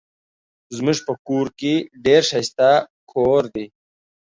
زمونږ په کور کې ډير ښايسته کوور دي